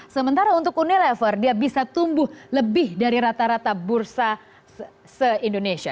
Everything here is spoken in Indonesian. sementara untuk unilever dia bisa tumbuh lebih dari rata rata bursa se indonesia